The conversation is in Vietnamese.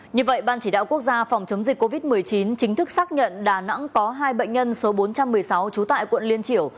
như vậy ban chỉ đạo quốc gia phòng chống dịch covid một mươi chín chính thức xác nhận đà nẵng có hai bệnh nhân số bốn trăm một mươi sáu trú tại quận liên triểu